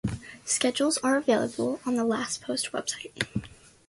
Schedules are available on the Last Post website.